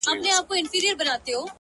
• دواړي زامي یې له یخه رېږدېدلې ,